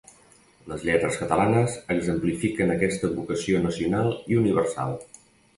Les lletres catalanes exemplifiquen aquesta vocació nacional i universal.